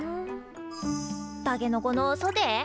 たけのこのソテー？